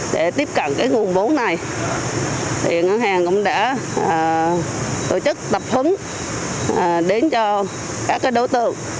để tiếp cận cái nguồn vốn này thì ngân hàng cũng đã tổ chức tập hứng đến cho các đối tượng